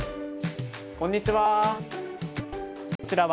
こんにちは。